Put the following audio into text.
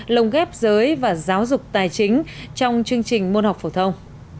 lồng ghép giới và giáo dục tài chính trong chương trình môn học phổ thông